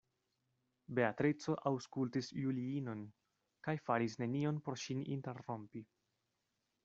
Beatrico aŭskultis Juliinon, kaj faris nenion por ŝin interrompi.